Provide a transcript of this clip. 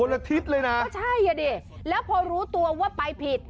ละทิศเลยนะก็ใช่อ่ะดิแล้วพอรู้ตัวว่าไปผิด